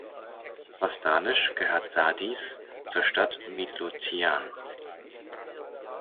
Postalisch gehört Sardis zur Stadt Midlothian.